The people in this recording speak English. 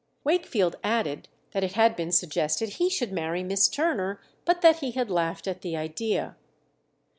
Wakefield added that it had been suggested he should marry Miss Turner, but that he had laughed at the idea.